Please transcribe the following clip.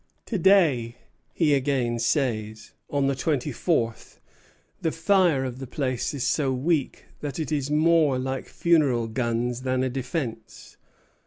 "To day," he again says, on the twenty fourth, "the fire of the place is so weak that it is more like funeral guns than a defence."